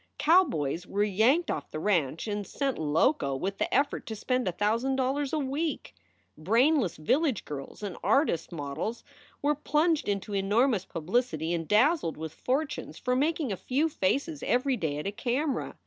Cowboys were yanked off the ranch and sent loco with the effort to spend a thousand dollars a week. Brainless village girls and artists models were plunged into enormous publicity and dazzled with fortunes for making a few faces every day at a camera.